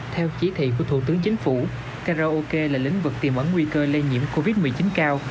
theo chỉ thị của thủ tướng chính phủ karaoke là lĩnh vực tiềm ẩn nguy cơ lây nhiễm covid một mươi chín cao